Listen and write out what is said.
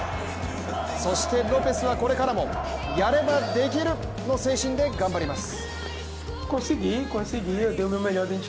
そしてロペスは、これからもやればできる！の精神で頑張ります。